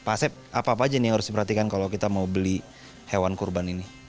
pak asep apa apa aja nih yang harus diperhatikan kalau kita mau beli hewan kurban ini